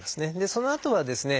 そのあとはですね